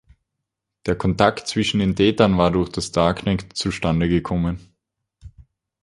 Der Kontakt zwischen den Tätern war durch das Darknet zustande gekommen.